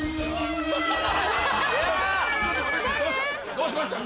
どうしました？